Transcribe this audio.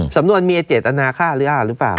สำนวนเมียเจตนาฆ่าหรืออ้าหรือเปล่า